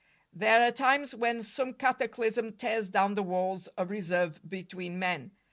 There are times when some cataclysm tears down the walls of reserve between men.